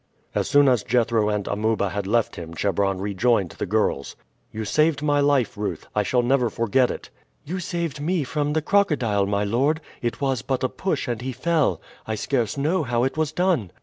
As soon as Jethro and Amuba had left him Chebron rejoined the girls. "You saved my life, Ruth. I shall never forget it." "You saved me from the crocodile, my lord. It was but a push and he fell. I scarce know how it was done."